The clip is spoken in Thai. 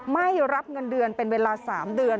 ไม่รับเงินเดือนเป็นเวลา๓เดือน